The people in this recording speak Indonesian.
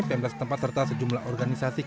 pemda setempat serta sejumlah organisasi